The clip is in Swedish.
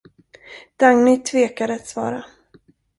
Dagny tvekade att svara.